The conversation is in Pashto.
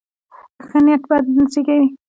ښه نیت بد نه زېږوي.